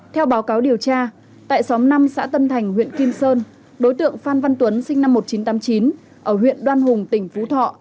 theo báo cáo điều tra tại xóm năm xã tân thành huyện kim sơn đối tượng phan văn tuấn sinh năm một nghìn chín trăm tám mươi chín ở huyện đoan hùng tỉnh phú thọ